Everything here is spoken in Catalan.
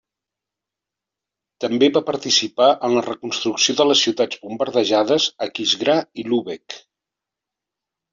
També va participar en la reconstrucció de les ciutats bombardejades Aquisgrà i Lübeck.